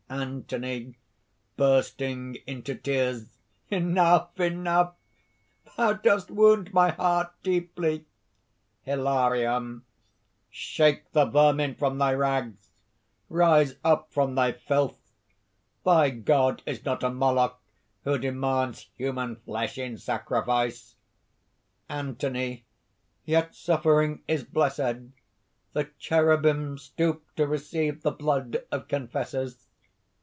ANTHONY (bursting into tears). "Enough! enough! thou dost wound my heart deeply." HILARION. "Shake the vermin from thy rags! Rise up from thy filth! Thy God is not a Moloch who demands human flesh in sacrifice!" ANTHONY. "Yet suffering is blessed. The cherubim stoop to receive the blood of confessors."